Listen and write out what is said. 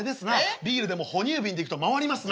ビールでも哺乳瓶でいくと回りますな。